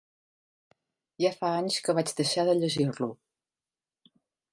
Ja fa anys que vaig deixar de llegir-lo.